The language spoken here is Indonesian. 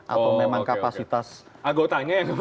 atau memang kapasitas anggotanya yang